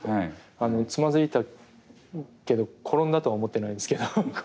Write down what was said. つまずいたけど転んだとは思ってないんですけど。